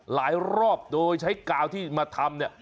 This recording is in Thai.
รอบโดยใช้กาวที่มาทำเนี่ย